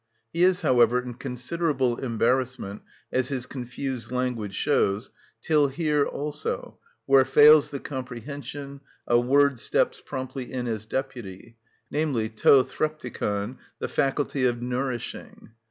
He is, however, in considerable embarrassment, as his confused language shows, till here also, "where fails the comprehension, a word steps promptly in as deputy," namely, το θρεπτικον, the faculty of nourishing.